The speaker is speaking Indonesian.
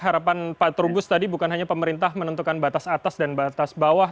harapan pak trubus tadi bukan hanya pemerintah menentukan batas atas dan batas bawah